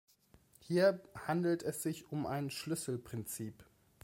Hier handelt es sich um ein Schlüsselprinzip.